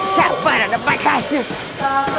siapa ada debek asyik